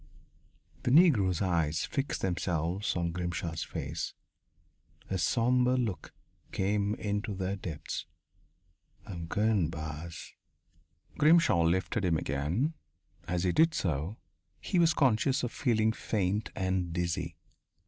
The Negro's eyes fixed themselves on Grimshaw's face a sombre look came into their depths. "I'm goin', boss." Grimshaw lifted him again. As he did so, he was conscious of feeling faint and dizzy.